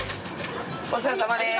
お世話さまです。